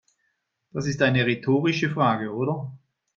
Das ist eine rhetorische Frage, oder?